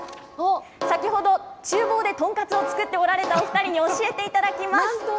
先ほど、ちゅう房で豚カツを作っておられたお２人に教えていただきます。